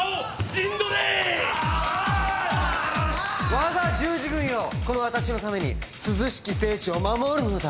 わが十字軍よこの私のために涼しき聖地を守るのだ。